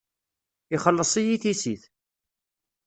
Ixelleṣ-iyi tissit.